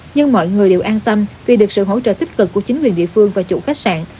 nhưng mọi người đều an tâm vì được sự hỗ trợ tích cực của chính quyền địa phương và chủ khách sạn